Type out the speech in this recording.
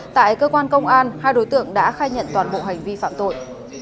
tại cơ quan công an hai đối tượng đã khai nhận toàn bộ hành vi phạm tội